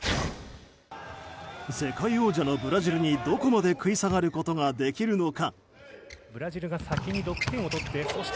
世界王者のブラジルにどこまで食い下がることができるのか。